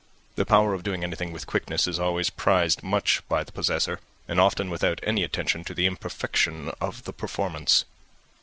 The power of doing anything with quickness is always much prized by the possessor, and often without any attention to the imperfection of the performance.